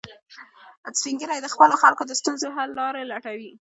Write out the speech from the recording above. سپین ږیری د خپلو خلکو د ستونزو حل لارې لټوي